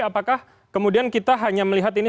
apakah kemudian kita hanya melihat ini